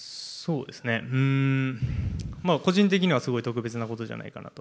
個人的にはすごい特別なことじゃないかなと。